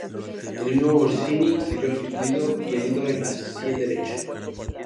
El mismo Orsini salió aturdido y herido en la sien derecha.